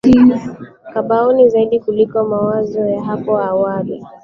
kaboni zaidi kuliko mawazo ya hapo awali